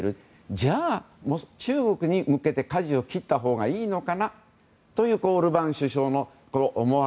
じゃあ、中国に向けてかじを切ったほうがいいのかなというオルバーン首相の思惑。